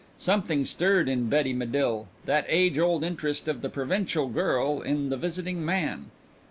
Something stirred in Betty Medill that age old interest of the provincial girl in the visiting man.